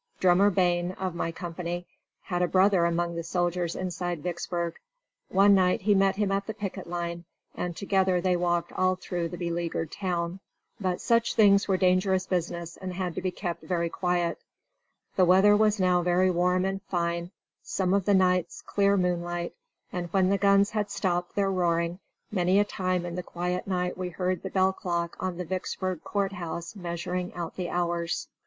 Drummer Bain, of my company, had a brother among the soldiers inside Vicksburg. One night he met him at the picket line, and together they walked all through the beleagured town. But such things were dangerous business and had to be kept very quiet. The weather was now very warm and fine, some of the nights clear moonlight, and when the guns had stopped their roaring many a time in the quiet night we heard the bell clock on the Vicksburg Court House measuring out the hours.